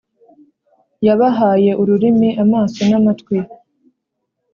Yabahaye ururimi, amaso n’amatwi,